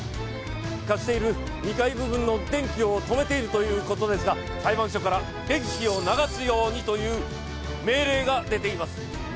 貸している２階部分の電気を止めているということですが裁判所から電気を流すようにという命令が出ています！